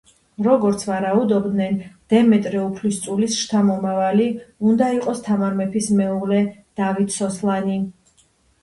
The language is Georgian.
როგორც ვარაუდობდნენ, დემეტრე უფლისწულის ჩამომავალი უნდა იყოს თამარ მეფის მეუღლე დავით სოსლანი.